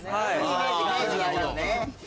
イメージがあるよね。